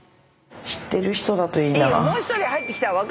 「知ってる人だといいな」